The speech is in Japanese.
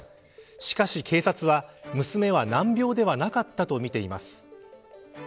しかし、警察は娘は難病ではなかったとみています。